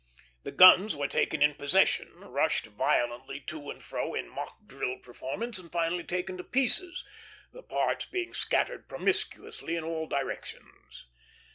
The guns were taken in possession, rushed violently to and fro in mock drill performance, and finally taken to pieces, the parts being scattered promiscuously in all directions.